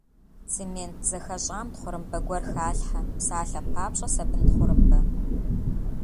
Цемент зэхэщӀам тхъурымбэ гуэр халъхьэ, псалъэм папщӀэ, сабын тхъурымбэ.